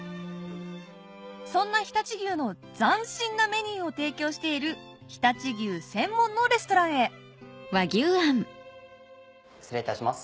そんな常陸牛の斬新なメニューを提供している常陸牛専門のレストランへ失礼いたします。